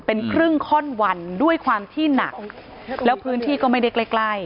เป็นครึ่งข้อนวันด้วยความที่หนักแล้วพื้นที่ก็ไม่ได้ใกล้ใกล้